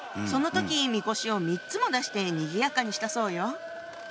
その時みこしを３つも出してにぎやかにしたそうよ。